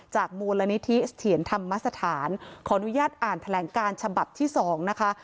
มูลนิธิเถียรธรรมสถานขออนุญาตอ่านแถลงการฉบับที่๒นะคะ